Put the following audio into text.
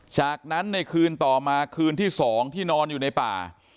จากนั้นในคืนต่อมาคืนที่๒ที่นอนอยู่ในป่า